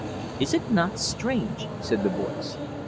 "Is it not strange?" said the voice.